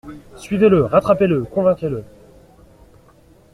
Suivez-le, rattrapez-le, convainquez-le.